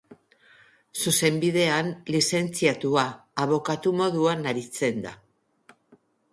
Zuzenbidean lizentziatua, abokatu moduan aritzen da.